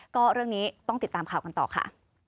ก็เรื่องนี้ต้องติดตามข่าวกันต่อค่ะ